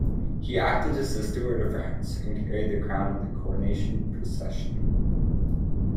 He acted as Steward of France, and carried the crown in the coronation procession.